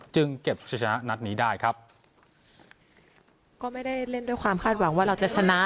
เก็บชนะนัดนี้ได้ครับก็ไม่ได้เล่นด้วยความคาดหวังว่าเราจะชนะ